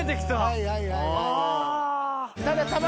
はいはいはいはい。